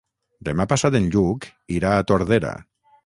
Demà passat en Lluc irà a Tordera.